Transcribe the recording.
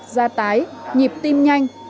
da tái nhịp tim nhanh